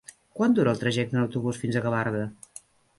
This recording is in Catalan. Quant dura el trajecte en autobús fins a Gavarda?